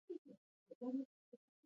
کورنۍ هګۍ تر بازاري هګیو ډیرې ګټورې دي.